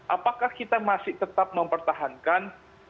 apakah kita masih tetap mempertahankan